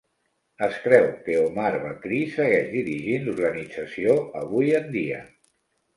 Es creu que Omar Bakri segueix dirigint l"organització avui en dia.